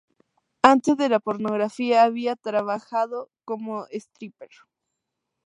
Antes de la pornografía, había trabajado como stripper.